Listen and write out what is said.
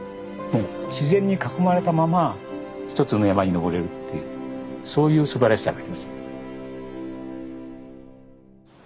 自然に囲まれたまま一つの山に登れるっていうそういうすばらしさがあります。